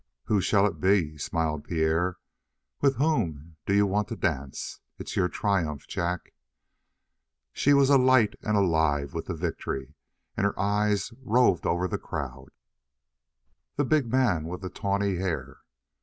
"Who shall it be?" smiled Pierre. "With whom do you want to dance? It's your triumph, Jack." She was alight and alive with the victory, and her eyes roved over the crowd. "The big man with the tawny hair."